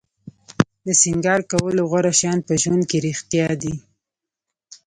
د سینګار کولو غوره شیان په ژوند کې رښتیا دي.